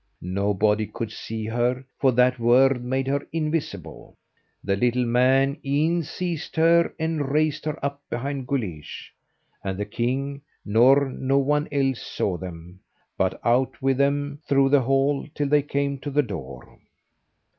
Nobody could see her, for that word made her invisible. The little man_een_ seized her and raised her up behind Guleesh, and the king nor no one else saw them, but out with them through the hall till they came to the door.